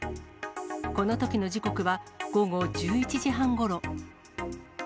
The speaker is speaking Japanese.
このときの時刻は午後１１時半ごろ。